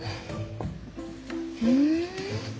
ふん。